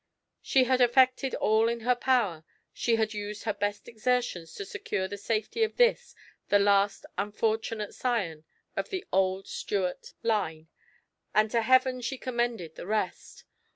She had effected all in her power, she had used her best exertions to secure the safety of this, the last unfortunate scion of the old Stuart line, and to Heaven she commended the rest.